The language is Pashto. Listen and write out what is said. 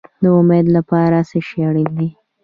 د امید لپاره څه شی اړین دی؟